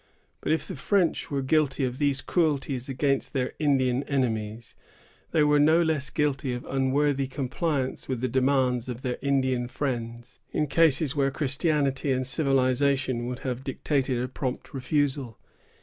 But if the French were guilty of these cruelties against their Indian enemies, they were no less guilty of unworthy compliance with the demands of their Indian friends, in cases where Christianity and civilization would have dictated a prompt refusal.